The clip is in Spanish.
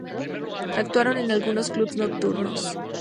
Actuaron en algunos clubes nocturnos.